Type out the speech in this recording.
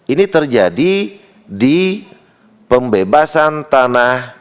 ini terjadi di pembebasan tanah